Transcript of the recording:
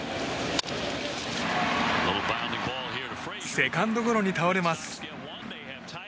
セカンドゴロに倒れます。